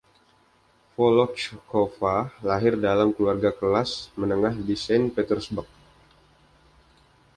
Volochkova lahir dalam keluarga kelas menengah di Saint Petersburg.